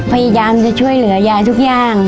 พยายามจะช่วยเหลือยายทุกอย่าง